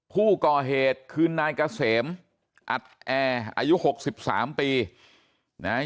ผู้ก่อเหตุคืนนายกะเสมอัดแออายุหกสิบสามปีนะฮะ